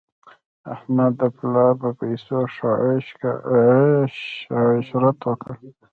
احمد د پلا په پیسو ښه عش عشرت وکړ.